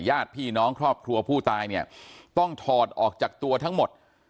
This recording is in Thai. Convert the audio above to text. ญาติพี่น้องครอบครัวผู้ตายเนี่ยต้องถอดออกจากตัวทั้งหมด